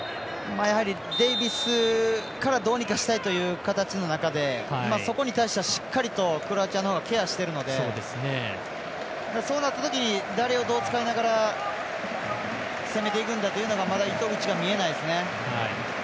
デイビスからどうにかしたいという形の中でそこに対してはしっかりとクロアチアのほうがケアしているのでそうなったときに誰をどう使いながら攻めていくんだというのがまだ糸口が見えないですね。